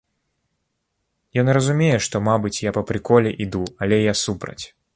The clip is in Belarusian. Ён разумее, што, мабыць, я па прыколе іду, але я супраць.